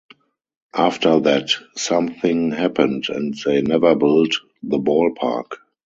After that, something happened, and they never built the ballpark.